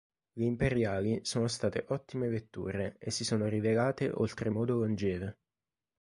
Le imperiali sono state ottime vetture e si sono rivelate oltremodo longeve.